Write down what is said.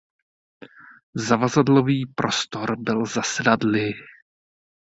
Zavazadlový prostor byl za sedadly.